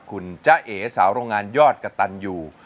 คุณจ๊ะเอ๋สาวโรงงานยอดกระตันอยู่